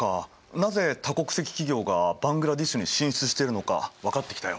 なぜ多国籍企業がバングラデシュに進出してるのか分かってきたよ。